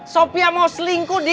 sophia mau selingkuh dik